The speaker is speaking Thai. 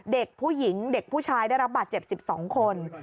เด็กผู้หญิงเด็กผู้ชายได้รับบาดเจ็บ๑๒คน